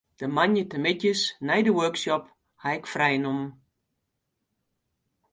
De moandeitemiddeis nei de workshop haw ik frij nommen.